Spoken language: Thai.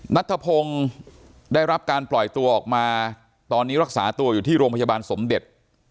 นัทธพงศ์ได้รับการปล่อยตัวออกมาตอนนี้รักษาตัวอยู่ที่โรงพยาบาลสมเด็จ